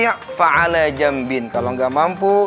kalau gak mampu